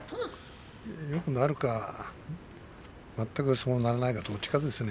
よくなるか、全くそうならないかどちらかですね。